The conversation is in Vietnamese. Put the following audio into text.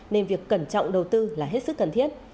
nên việc cẩn trọng đầu tư là hết sức cần thiết